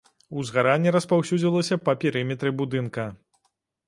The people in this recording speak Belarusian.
Узгаранне распаўсюдзілася па перыметры будынка.